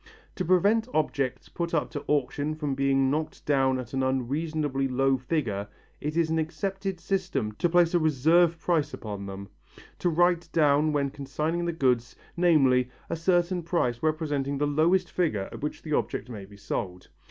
To prevent objects put up to auction from being knocked down at an unreasonably low figure it is an accepted system to place a reserve price upon them, to write down when consigning the goods, namely, a certain sum representing the lowest figure at which the object may be sold.